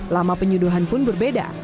lama penyuduhan pun berbeda